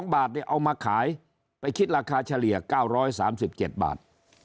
๒บาทเอามาขายไปคิดราคาเฉลี่ย๙๓๗บาท